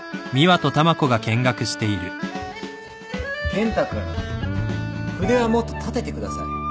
ケン太君筆はもっと立ててください。